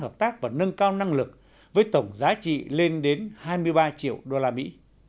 hợp tác và nâng cao năng lực với tổng giá trị lên đến hai mươi ba triệu đô la mỹ